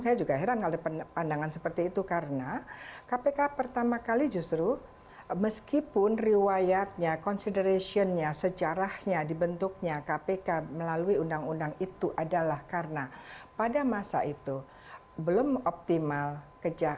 saya juga heran kalau pandangan seperti itu karena kpk pertama kali justru meskipun riwayatnya consideration nya sejarahnya dibentuknya kpk melalui undang undang itu adalah karena pada masa itu belum optimal kejahatan